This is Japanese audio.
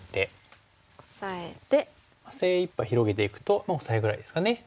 精いっぱい広げていくとオサエぐらいですかね。